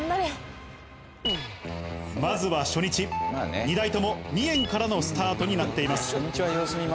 まずは初日２台とも２円からのスタートになっています。